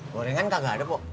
gorengan kagak ada pok